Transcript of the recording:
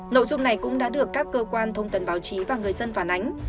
nội dung này cũng đã được các cơ quan thông tần báo chí và người dân phản ánh